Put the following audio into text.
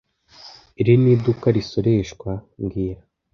Iri ni iduka ridasoreshwa mbwira